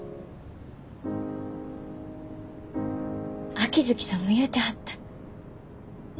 秋月さんも言うてはった。